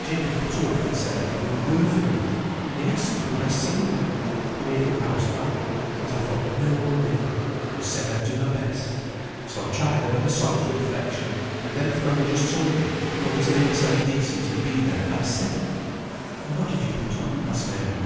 Jacob Butterworth had said a good word for me, and they asked me would I sing? You may think I was frightened, but I thought now or never, and said I'd do my best. So I tried o'er the songs wi' th' lecturer, and then th' managers told me I were to make myself decent and be there by seven." "And what did you put on?" asked Mary.